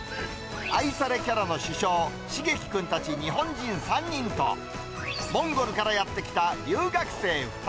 愛されキャラの主将、しげき君たち日本人３人と、モンゴルからやって来た留学生２